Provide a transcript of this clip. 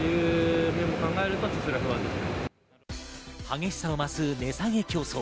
激しさを増す値下げ競争。